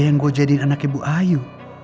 yang gue jadiin anaknya ibu ayu